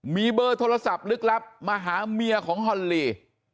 มีเบอร์โทรศัพท์ลึกลับมาหาเมียของฮอนลี